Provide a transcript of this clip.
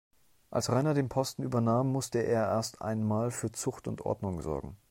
Als Rainer den Posten übernahm, musste er erst einmal für Zucht und Ordnung sorgen.